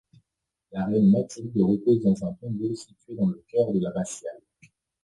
La reine Mathilde repose dans un tombeau situé dans le chœur de l'abbatiale.